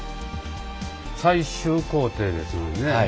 最終工程ですのでね